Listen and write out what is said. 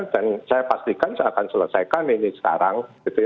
dan saya pastikan saya akan selesaikan ini sekarang